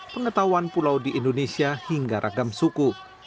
pengetahuan pulau di indonesia hingga ragam suku